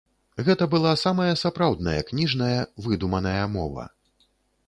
Гэта была самая сапраўдная кніжная выдуманая мова.